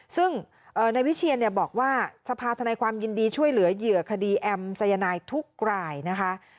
ซึ่งนายวิเชียนบอกว่าสภาธนาความยินดีช่วยเหลือเหยื่อคดีแอมสายนายทุกรายนะคะ